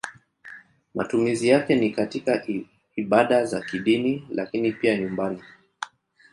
Matumizi yake ni katika ibada za kidini lakini pia nyumbani.